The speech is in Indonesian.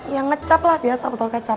ya ngecap lah biasa botol kecap